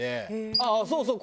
ああそうそう！